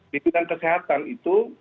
di bidang kesehatan itu